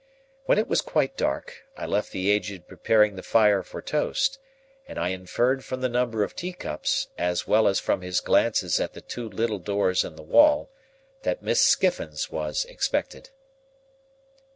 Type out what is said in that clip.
When it was quite dark, I left the Aged preparing the fire for toast; and I inferred from the number of teacups, as well as from his glances at the two little doors in the wall, that Miss Skiffins was expected.